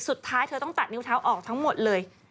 สุดท้ายเธอต้องตัดนิ้วเท้าออกทั้งหมดเลย